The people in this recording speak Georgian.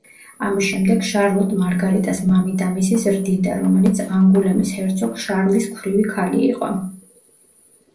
ამის შემდეგ შარლოტ მარგარიტას მამიდამისი ზრდიდა, რომელიც ანგულემის ჰერცოგ შარლის ქვრივი ქალი იყო.